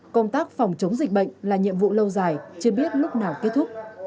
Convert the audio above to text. công tác phòng chống dịch bệnh là nhiệm vụ lâu dài chưa biết lúc nào kết thúc